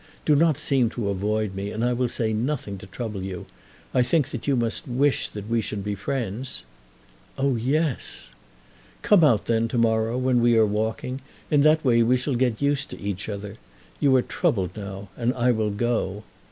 "Do not seem to avoid me, and I will say nothing to trouble you. I think that you must wish that we should be friends." "Oh, yes." "Come out, then, to morrow, when we are walking. In that way we shall get used to each other. You are troubled now, and I will go."